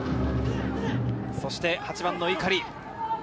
そして８番の碇。